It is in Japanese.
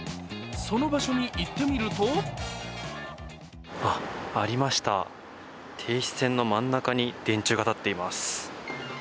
その場所に行ってみるとありました、停止線の真ん中に電柱が立っています。